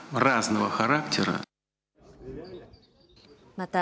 また、